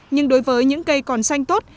nhưng đối với những cây còn xanh tốt